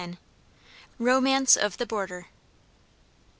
ROMANCE OF THE BORDER.